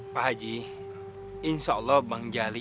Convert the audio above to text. pak haji insya allah bang jali